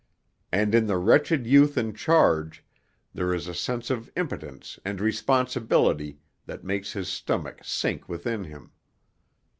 And in the wretched youth in charge there is a sense of impotence and responsibility that makes his stomach sink within him.